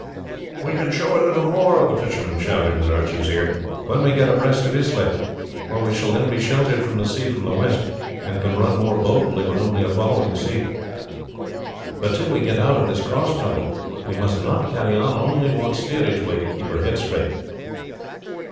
"We can show a little more," the fisherman shouted in Archie's ear, "when we get abreast of Islay, for we shall then be sheltered from the sea from the west, and can run more boldly with only a following sea; but till we get out of this cross tumble we must not carry on, we only want steerage way to keep her head straight."